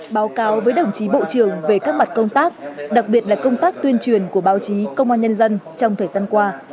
báo cáo với đồng chí bộ trưởng về các mặt công tác đặc biệt là công tác tuyên truyền của báo chí công an nhân dân trong thời gian qua